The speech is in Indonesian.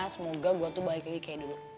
semoga gue tuh balik lagi kayak dulu